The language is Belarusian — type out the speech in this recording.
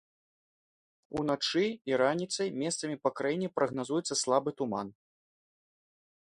Уначы і раніцай месцамі па краіне прагназуецца слабы туман.